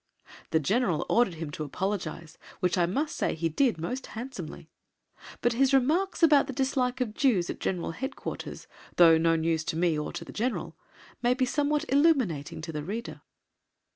"_ The General ordered him to apologise, which I must say he did most handsomely, but his remarks about the dislike of Jews at G.H.Q., though no news to me or the General, may be somewhat illuminating to the reader!